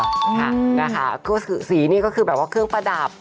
ค่ะนะคะสีนี่ก็คือแบบว่าเครื่องประดับ